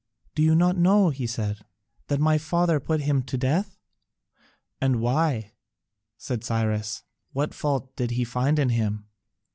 "Do you not know," he said, "that my father put him to death?" "And why?" said Cyrus, "what fault did he find in him?"